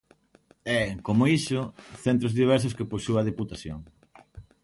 E, como iso, centros diversos que posúe a Deputación.